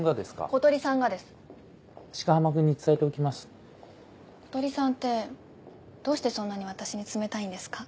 小鳥さんってどうしてそんなに私に冷たいんですか？